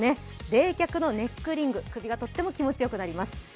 冷却のネックリング、首がとっても気持ちよくなります。